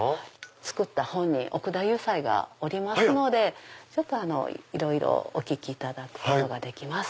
作った本人奥田祐斎がおりますのでいろいろお聞きいただくことができます。